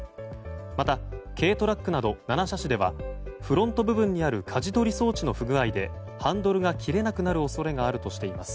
また、軽トラックなど７車種ではフロント部分にあるかじ取り装置の不具合でハンドルが切れなくなる恐れがあるとしています。